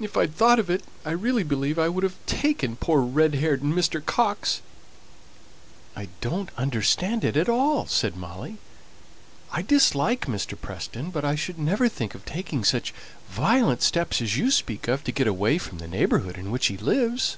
If I'd thought of it, I really believe I would have taken poor red haired Mr. Coxe." "I don't understand it at all," said Molly. "I dislike Mr. Preston, but I should never think of taking such violent steps as you speak of, to get away from the neighbourhood in which he lives."